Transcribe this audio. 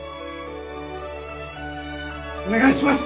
お願いします！